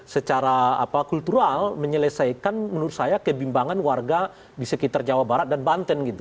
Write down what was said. secara kultural menyelesaikan menurut saya kebimbangan warga di sekitar jawa barat dan banten gitu